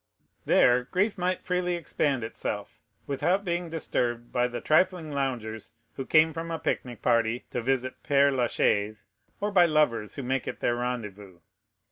There grief might freely expend itself without being disturbed by the trifling loungers who came from a picnic party to visit Père Lachaise, or by lovers who make it their rendezvous.